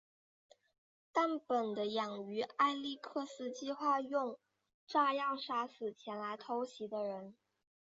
但本的养女艾莉克斯计划用炸药杀死前来偷袭的人。